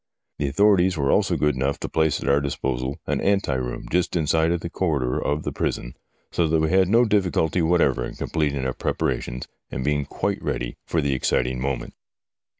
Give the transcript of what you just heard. The authorities were also good enough to place at our disposal an ante room just inside of the corridor of the prison, so that we had no difficulty whatever in completing our preparations, and being quite ready for the exciting moment.